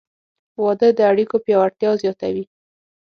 • واده د اړیکو پیاوړتیا زیاتوي.